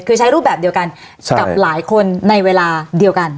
คือใช้รูปแบบเดียวกันกับหลายคนในเวลาเดียวกัน